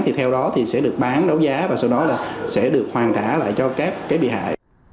thì theo đó thì sẽ được bán đấu giá và sau đó là sẽ được hoàn trả lại cho các cái bị hại